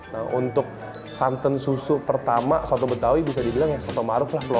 nah untuk santan susu pertama soto betawi bisa dibilang ya soto ma'ruf